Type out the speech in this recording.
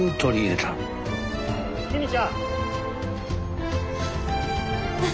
公ちゃん。